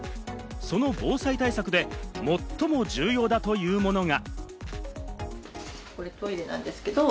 その防災対策で最も重要だというものが。